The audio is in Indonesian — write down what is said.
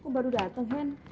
aku baru datang hen